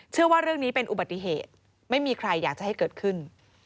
เชื่อว่าเรื่องนี้เป็นอุบัติเหตุไม่มีใครอยากจะให้เกิดขึ้น